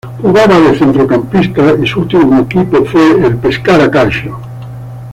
Jugaba de centrocampista y su último equipo fue el Pescara Calcio.